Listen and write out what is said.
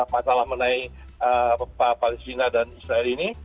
masalah menaik palestina dan israel ini